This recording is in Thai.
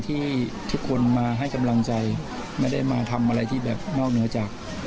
ไม่ครับเพราะว่าเรื่องที่เกิดแล้วก็กระแสที่มีอยู่ในปัจจุบัน